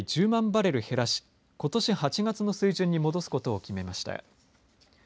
バレル減らしことし８月の水準に戻すことを決めました。